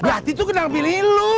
berarti itu gelang bini lu